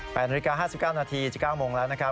นาฬิกา๕๙นาที๑๙โมงแล้วนะครับ